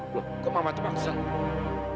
loh kok mama tambah kesel